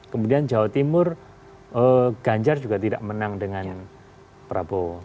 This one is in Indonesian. kemudian jawa timur ganjar juga tidak menang dengan prabowo